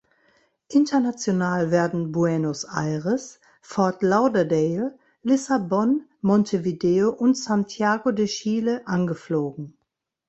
International werden Buenos Aires, Fort Lauderdale, Lissabon, Montevideo und Santiago de Chile angeflogen.